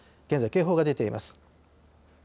現在、警報が出ています。